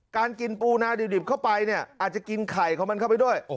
การกินปูนาดิบเข้าไปเนี่ยอาจจะกินไข่ของมันเข้าไปด้วย